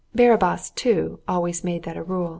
Barabás, too, always made that a rule.